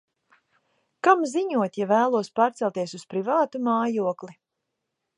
Kam ziņot, ja vēlos pārcelties uz privātu mājokli?